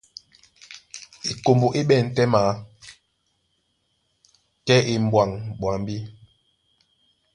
Ekombo é ɓɛ̂n tɛ́ maa, kɛ́ e e m̀ɓwaŋ ɓwambí.